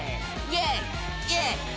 イエイ！イエイ！」